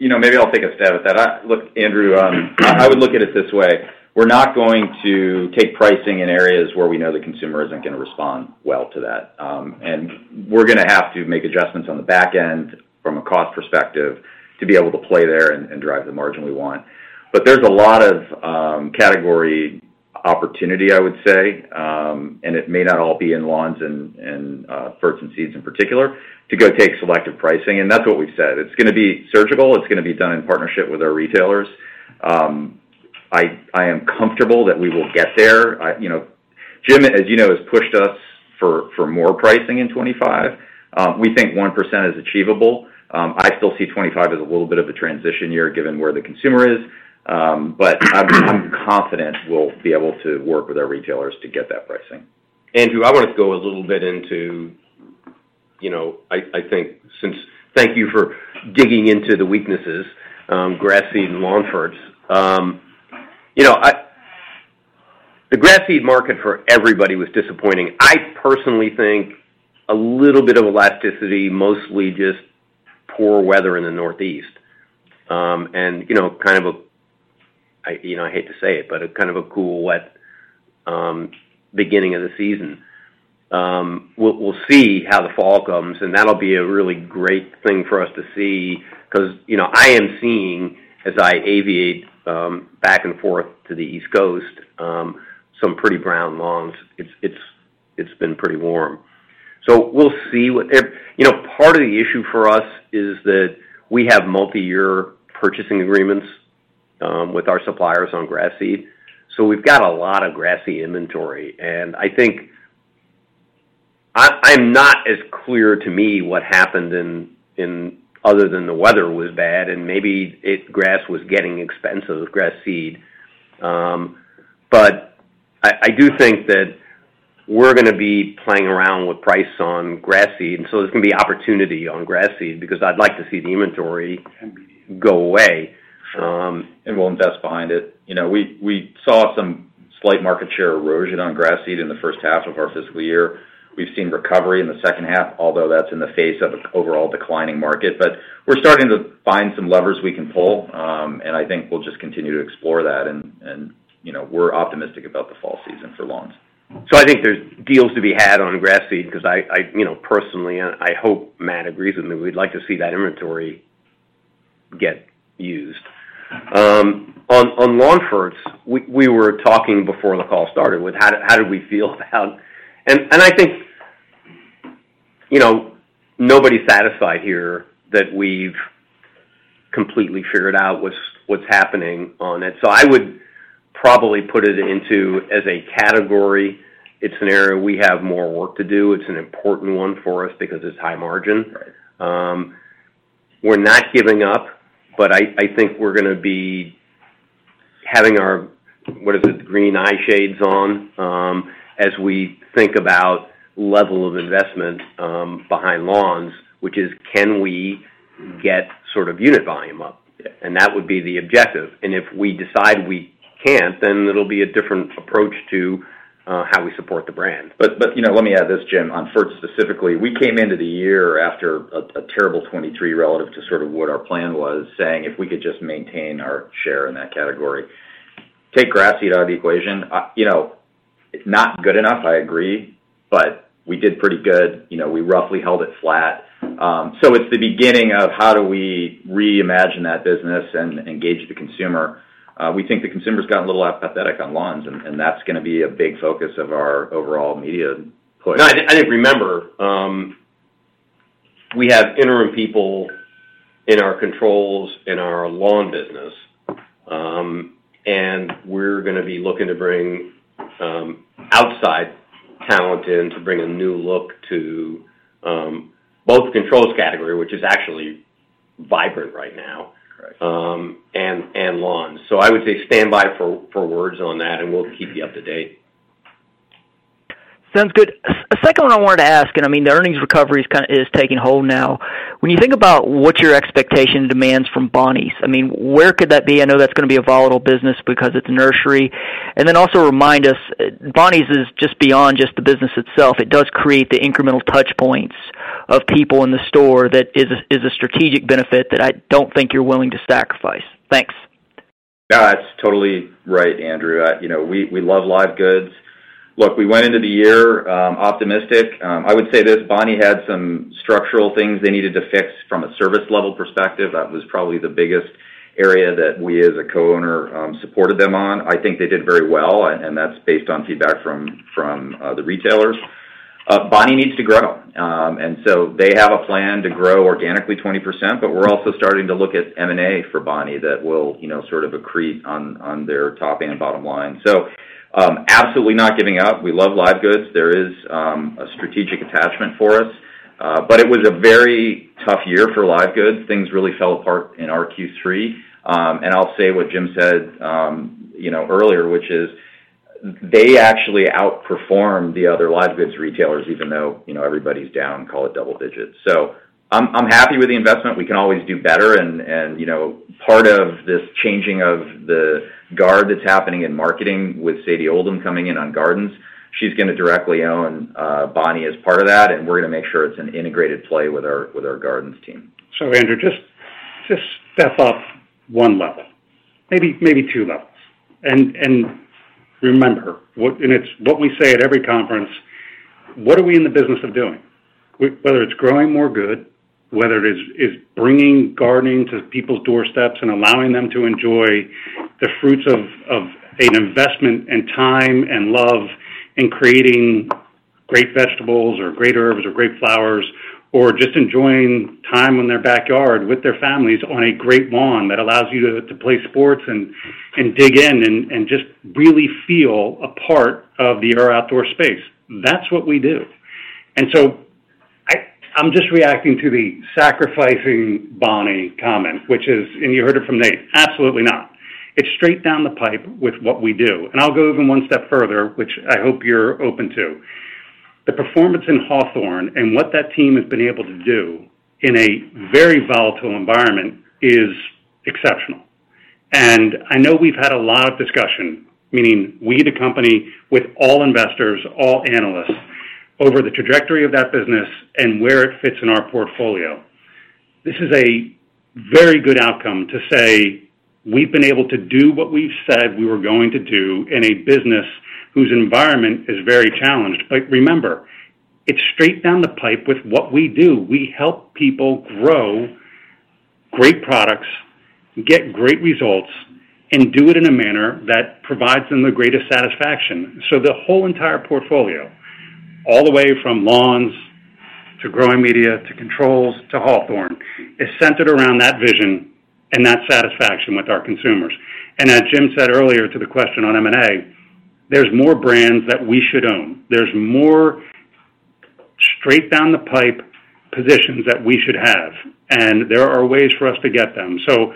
Maybe I'll take a stab at that. Look, Andrew, I would look at it this way. We're not going to take pricing in areas where we know the consumer isn't going to respond well to that. And we're going to have to make adjustments on the back end from a cost perspective to be able to play there and drive the margin we want. But there's a lot of category opportunity, I would say. And it may not all be in Lawns and Fertilizers and Seeds in particular to go take selective pricing. And that's what we've said. It's going to be surgical. It's going to be done in partnership with our retailers. I am comfortable that we will get there. Jim, as you know, has pushed us for more pricing in 2025. We think 1% is achievable. I still see 2025 as a little bit of a transition year given where the consumer is. But I'm confident we'll be able to work with our retailers to get that pricing. Andrew, I wanted to go a little bit into, I think, since thank you for digging into the weaknesses, grass seed and lawn ferts. The grass seed market for everybody was disappointing. I personally think a little bit of elasticity, mostly just poor weather in the Northeast, and kind of a-I hate to say it, but kind of a cool, wet beginning of the season. We'll see how the fall comes. And that'll be a really great thing for us to see because I am seeing, as I aviate back and forth to the East Coast, some pretty brown lawns. It's been pretty warm. So we'll see. Part of the issue for us is that we have multi-year purchasing agreements with our suppliers on grass seed. So we've got a lot of grass seed inventory. And I think it's not as clear to me what happened other than the weather was bad and maybe grass was getting expensive with grass seed. But I do think that we're going to be playing around with price on grass seed. And so there's going to be opportunity on grass seed because I'd like to see the inventory go away. And we'll invest behind it. We saw some slight market share erosion on grass seed in the first half of our fiscal year. We've seen recovery in the second half, although that's in the face of an overall declining market. But we're starting to find some levers we can pull. And I think we'll just continue to explore that. And we're optimistic about the fall season for lawns. So I think there's deals to be had on grass seed because I personally, and I hope Matt agrees with me, we'd like to see that inventory get used. On lawn ferts, we were talking before the call started with how did we feel about, and I think nobody's satisfied here that we've completely figured out what's happening on it. So I would probably put it in as a category. It's an area we have more work to do. It's an important one for us because it's high margin. We're not giving up, but I think we're going to be having our—what is it?—green eye shades on as we think about level of investment behind Lawns, which is, can we get sort of unit volume up? And that would be the objective. And if we decide we can't, then it'll be a different approach to how we support the brand. But let me add this, Jim. On fertz specifically, we came into the year after a terrible 2023 relative to sort of what our plan was, saying if we could just maintain our share in that category. Take grass seed out of the equation. It's not good enough, I agree. But we did pretty good. We roughly held it flat. So it's the beginning of how do we reimagine that business and engage the consumer. We think the consumer's gotten a little apathetic on Lawns. And that's going to be a big focus of our overall media play. I think, remember, we have interim people in our controls in our lawn business. And we're going to be looking to bring outside talent in to bring a new look to both controls category, which is actually vibrant right now, and lawns. So I would say stand by for words on that, and we'll keep you up to date. Sounds good. A second one I wanted to ask, and I mean, the earnings recovery is taking hold now. When you think about what your expectation demands from Bonnie's, I mean, where could that be? I know that's going to be a volatile business because it's a nursery. And then also remind us, Bonnie's is just beyond just the business itself. It does create the incremental touchpoints of people in the store that is a strategic benefit that I don't think you're willing to sacrifice. Thanks. That's totally right, Andrew. We love live goods. Look, we went into the year optimistic. I would say this. Bonnie had some structural things they needed to fix from a service-level perspective. That was probably the biggest area that we, as a co-owner, supported them on. I think they did very well. That's based on feedback from the retailers. Bonnie needs to grow. So they have a plan to grow organically 20%. But we're also starting to look at M&A for Bonnie that will sort of accrete on their top and bottom line. So absolutely not giving up. We love live goods. There is a strategic attachment for us. But it was a very tough year for live goods. Things really fell apart in our Q3. I'll say what Jim said earlier, which is they actually outperformed the other live goods retailers, even though everybody's down, call it, double digits. I'm happy with the investment. We can always do better. Part of this changing of the guard that's happening in marketing with Sadie Oldham coming in on gardens, she's going to directly own Bonnie as part of that. We're going to make sure it's an integrated play with our gardens team. Andrew, just step up one level, maybe two levels. Remember, and it's what we say at every conference, what are we in the business of doing? Whether it's growing more good, whether it is bringing gardening to people's doorsteps and allowing them to enjoy the fruits of an investment and time and love in creating great vegetables or great herbs or great flowers, or just enjoying time in their backyard with their families on a great lawn that allows you to play sports and dig in and just really feel a part of your outdoor space. That's what we do. And so I'm just reacting to the sacrificing Bonnie comment, which is, and you heard it from Nate, absolutely not. It's straight down the pipe with what we do. And I'll go even one step further, which I hope you're open to. The performance in Hawthorne and what that team has been able to do in a very volatile environment is exceptional. I know we've had a lot of discussion, meaning we the company with all investors, all analysts over the trajectory of that business and where it fits in our portfolio. This is a very good outcome to say we've been able to do what we've said we were going to do in a business whose environment is very challenged. But remember, it's straight down the pipe with what we do. We help people grow great products, get great results, and do it in a manner that provides them the greatest satisfaction. The whole entire portfolio, all the way from Lawns to growing media to controls to Hawthorne, is centered around that vision and that satisfaction with our consumers. As Jim said earlier to the question on M&A, there's more brands that we should own. There's more straight down the pipe positions that we should have. And there are ways for us to get them. So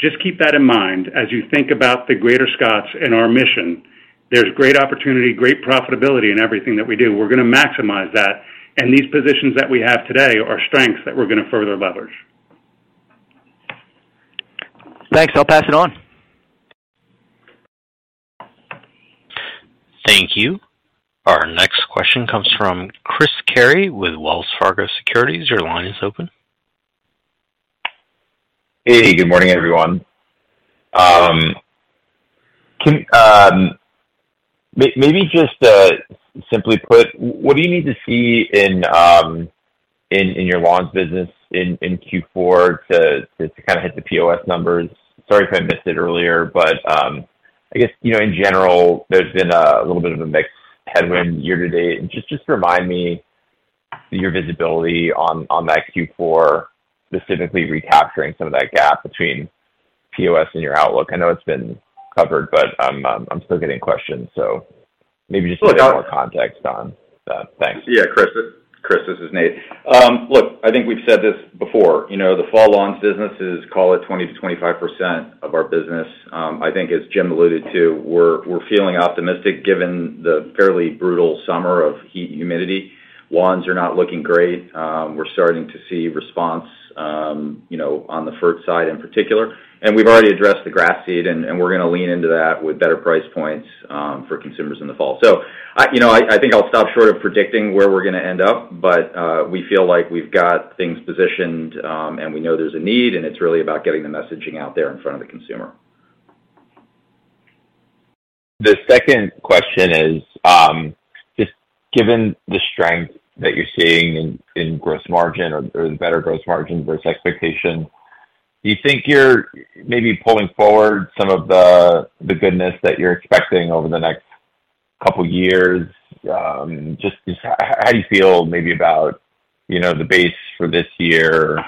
just keep that in mind. As you think about the greater Scotts and our mission, there's great opportunity, great profitability in everything that we do. We're going to maximize that. And these positions that we have today are strengths that we're going to further leverage. Thanks. I'll pass it on. Thank you. Our next question comes from Chris Carey with Wells Fargo Securities. Your line is open. Hey, good morning, everyone. Maybe just simply put, what do you need to see in your Lawns business in Q4 to kind of hit the POS numbers? Sorry if I missed it earlier. But I guess, in general, there's been a little bit of a mixed headwind year to date. And just remind me your visibility on that Q4, specifically recapturing some of that gap between POS and your outlook. I know it's been covered, but I'm still getting questions. So maybe just a little more context on that. Thanks. Yeah, Chris. This is Nate. Look, I think we've said this before. The fall lawns business is, call it, 20%-25% of our business. I think, as Jim alluded to, we're feeling optimistic given the fairly brutal summer of heat and humidity. Lawns are not looking great. We're starting to see response on the fert side in particular. And we've already addressed the grass seed. And we're going to lean into that with better price points for consumers in the fall. So I think I'll stop short of predicting where we're going to end up. But we feel like we've got things positioned. And we know there's a need. And it's really about getting the messaging out there in front of the consumer. The second question is, just given the strength that you're seeing in gross margin or the better gross margin versus expectation, do you think you're maybe pulling forward some of the goodness that you're expecting over the next couple of years? Just how do you feel maybe about the base for this year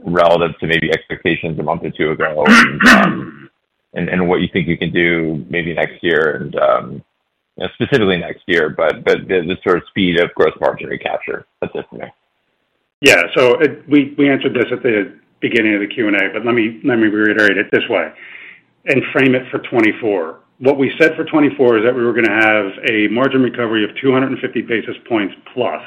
relative to maybe expectations a month or two ago and what you think you can do maybe next year, and specifically next year, but the sort of speed of gross margin recapture? That's it for me. Yeah. So we answered this at the beginning of the Q&A. But let me reiterate it this way and frame it for 2024. What we said for 2024 is that we were going to have a margin recovery of 250 basis points plus.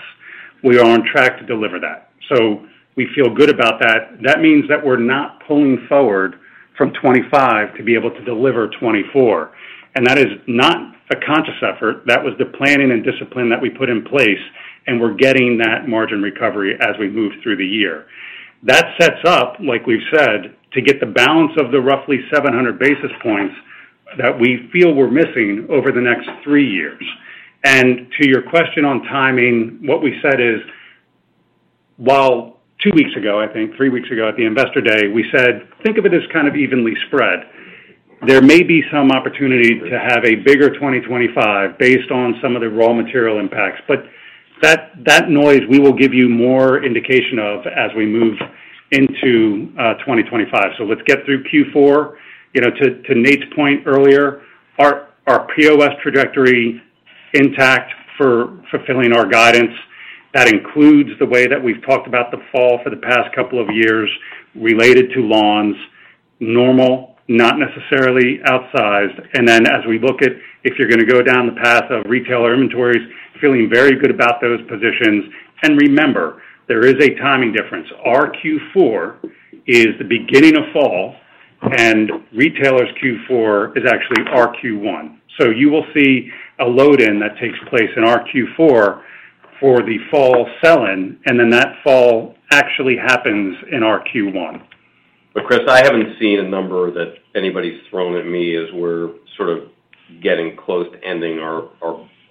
We are on track to deliver that. So we feel good about that. That means that we're not pulling forward from 2025 to be able to deliver 2024. And that is not a conscious effort. That was the planning and discipline that we put in place. And we're getting that margin recovery as we move through the year. That sets up, like we've said, to get the balance of the roughly 700 basis points that we feel we're missing over the next three years. And to your question on timing, what we said is, well, two weeks ago, I think, three weeks ago at the investor day, we said, "Think of it as kind of evenly spread. There may be some opportunity to have a bigger 2025 based on some of the raw material impacts." But that noise we will give you more indication of as we move into 2025. So let's get through Q4. To Nate's point earlier, our POS trajectory intact for fulfilling our guidance. That includes the way that we've talked about the fall for the past couple of years related to lawns, normal, not necessarily outsized. And then as we look at if you're going to go down the path of retailer inventories, feeling very good about those positions. And remember, there is a timing difference. Our Q4 is the beginning of fall. And retailer's Q4 is actually our Q1. So you will see a load-in that takes place in our Q4 for the fall sell-in. And then that fall actually happens in our Q1. But Chris, I haven't seen a number that anybody's thrown at me as we're sort of getting close to ending our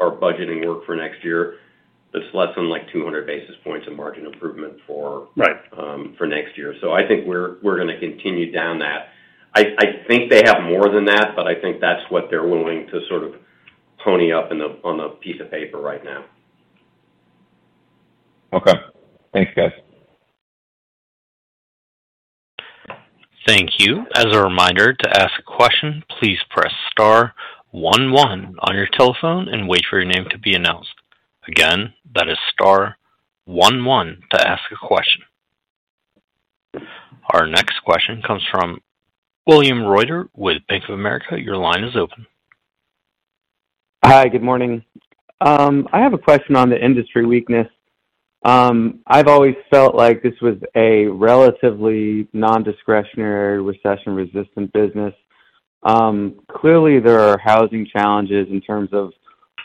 budgeting work for next year. It's less than like 200 basis points of margin improvement for next year. So I think we're going to continue down that. I think they have more than that. But I think that's what they're willing to sort of pony up on a piece of paper right now. Okay. Thanks, guys. Thank you. As a reminder, to ask a question, please press star one one on your telephone and wait for your name to be announced. Again, that is star one one to ask a question. Our next question comes from William Reuter with Bank of America. Your line is open. Hi, good morning. I have a question on the industry weakness. I've always felt like this was a relatively nondiscretionary recession-resistant business. Clearly, there are housing challenges in terms of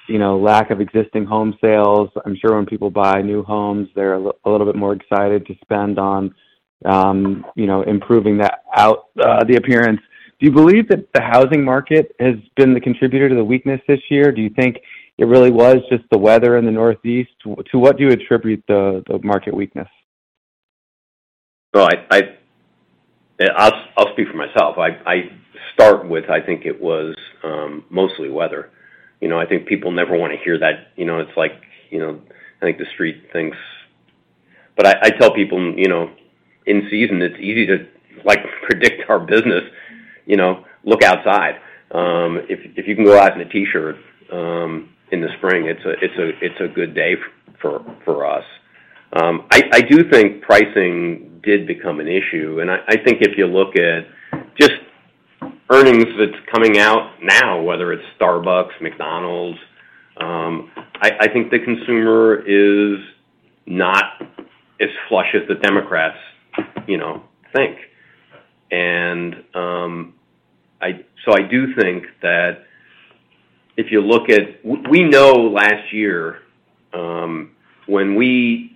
lack of existing home sales. I'm sure when people buy new homes, they're a little bit more excited to spend on improving the appearance. Do you believe that the housing market has been the contributor to the weakness this year? Do you think it really was just the weather in the Northeast? To what do you attribute the market weakness? Well, I'll speak for myself. I start with, I think it was mostly weather. I think people never want to hear that. It's like, I think the street thinks. But I tell people in season, it's easy to predict our business. Look outside. If you can go out in a T-shirt in the spring, it's a good day for us. I do think pricing did become an issue. And I think if you look at just earnings that's coming out now, whether it's Starbucks, McDonald's, I think the consumer is not as flush as the Democrats think. And so I do think that if you look at we know last year when we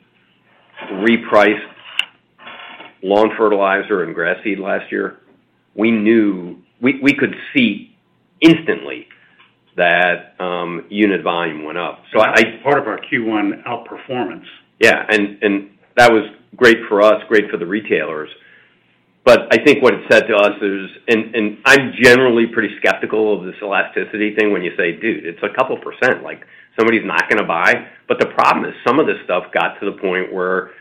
repriced lawn fertilizer and grass seed last year, we could see instantly that unit volume went up. So I think part of our Q1 outperformance. Yeah. And that was great for us, great for the retailers. But I think what it said to us is, and I'm generally pretty skeptical of this elasticity thing when you say, "Dude, it's a couple %. Somebody's not going to buy." But the problem is some of this stuff got to the point where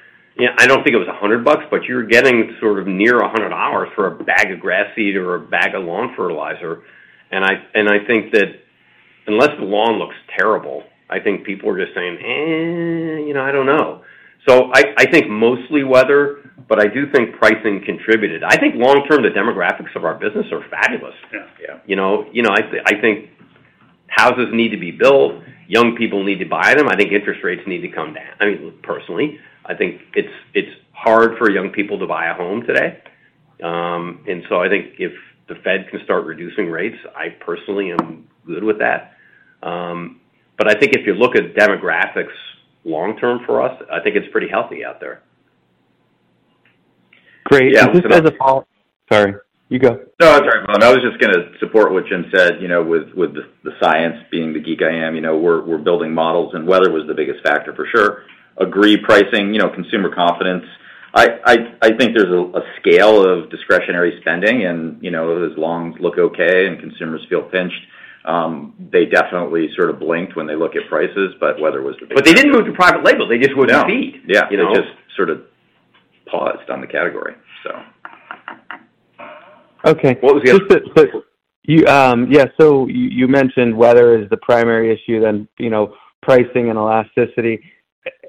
I don't think it was $100, but you're getting sort of near $100 for a bag of grass seed or a bag of lawn fertilizer. And I think that unless the lawn looks terrible, I think people are just saying, I don't know. So I think mostly weather. But I do think pricing contributed. I think long term, the demographics of our business are fabulous. Yeah. I think houses need to be built. Young people need to buy them. I think interest rates need to come down. I mean, personally, I think it's hard for young people to buy a home today. And so I think if the Fed can start reducing rates, I personally am good with that. But I think if you look at demographics long term for us, I think it's pretty healthy out there. Great. So this is a follow-up. Sorry. You go. No, I'm sorry, Matt. I was just going to support what Jim said with the science being the geek I am. We're building models. And weather was the biggest factor for sure. Agree pricing, consumer confidence. I think there's a scale of discretionary spending. As long as look okay and consumers feel pinched, they definitely sort of blinked when they look at prices. But weather was the biggest. But they didn't move to private label. They just wouldn't feed. Yeah. They just sort of paused on the category, so. Okay. What was the other question? Yeah. So you mentioned weather is the primary issue, then pricing and elasticity.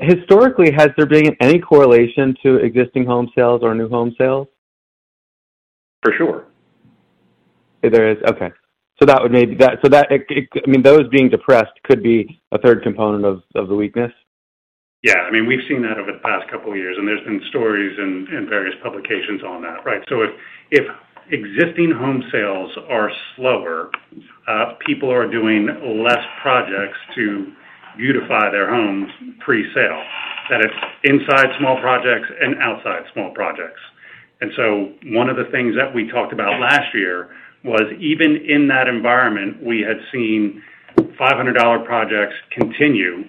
Historically, has there been any correlation to existing home sales or new home sales? For sure. There is? Okay. So that would maybe, that I mean, those being depressed could be a third component of the weakness? Yeah. I mean, we've seen that over the past couple of years. And there's been stories in various publications on that. Right. So if existing home sales are slower, people are doing less projects to beautify their homes pre-sale, that it's inside small projects and outside small projects. One of the things that we talked about last year was even in that environment, we had seen $500 projects continue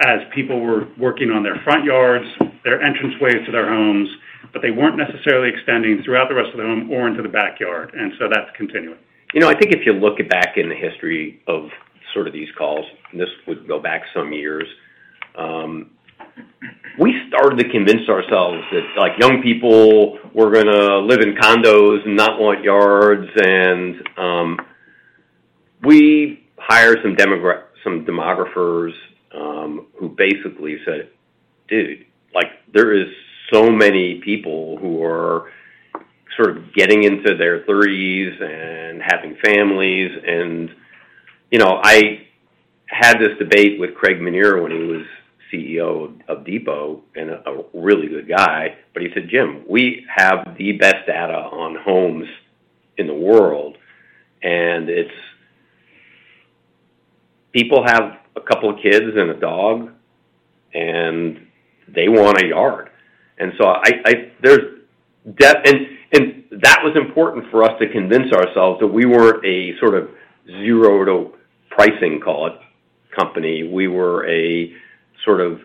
as people were working on their front yards, their entrance ways to their homes. But they weren't necessarily extending throughout the rest of the home or into the backyard. And so that's continuing. I think if you look back in the history of sort of these calls, and this would go back some years, we started to convince ourselves that young people were going to live in condos and not want yards. And we hired some demographers who basically said, "Dude, there is so many people who are sort of getting into their 30s and having families." And I had this debate with Craig Menear when he was CEO of Depot, and a really good guy. But he said, "Jim, we have the best data on homes in the world. And people have a couple of kids and a dog. And they want a yard." And so there's depth. And that was important for us to convince ourselves that we weren't a sort of zero to pricing, call it, company. We were a sort of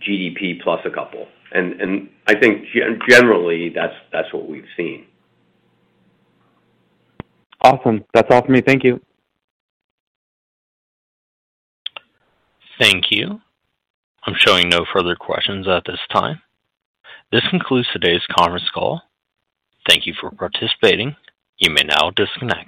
GDP plus a couple. And I think generally, that's what we've seen. Awesome. That's all from me. Thank you. Thank you. I'm showing no further questions at this time. This concludes today's conference call. Thank you for participating. You may now disconnect.